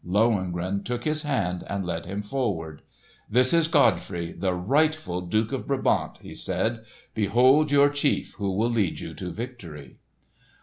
Lohengrin took his hand and led him forward. "This is Godfrey, the rightful Duke of Brabant!" he said. "Behold your chief, who will lead you to victory!"